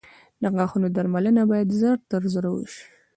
د غاښونو درملنه باید ژر تر ژره وشي.